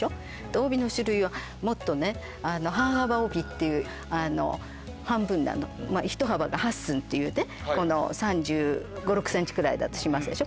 帯の種類はもっとね半幅帯っていう半分なの一幅が八寸っていうね３５３６ｃｍぐらいだとしますでしょ